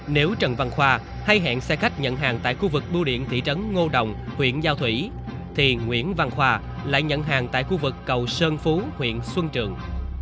nếu trần văn khoa hay hẹn xe khách nhận hàng tại khu vực bưu điện thị trấn ngô đồng huyện giao thủy thì nguyễn văn khoa lại nhận hàng tại khu vực cầu sơn phú huyện xuân trường